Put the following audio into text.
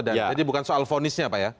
jadi bukan soal vonisnya pak ya